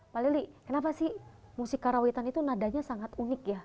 mbak lili kenapa sih musik karawitan itu nadanya sangat unik ya